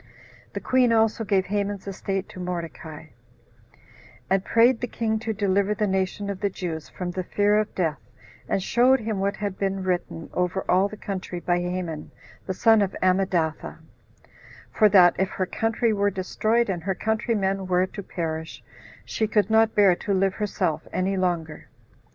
The queen also gave Haman's estate to Mordecai; and prayed the king to deliver the nation of the Jews from the fear of death, and showed him what had been written over all the country by Haman the son of Ammedatha; for that if her country were destroyed, and her countrymen were to perish, she could not bear to live herself any longer.